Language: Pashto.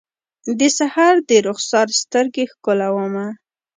د سحر درخسار سترګې ښکلومه